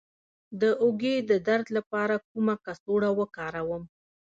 د اوږې د درد لپاره کومه کڅوړه وکاروم؟